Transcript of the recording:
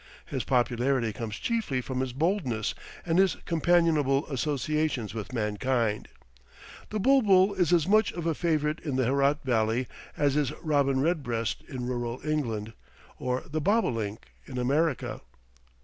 His popularity comes chiefly from his boldness and his companionable associations with mankind. The bul bul is as much of a favorite in the Herat Valley as is robin red breast in rural England, or the bobolink in America.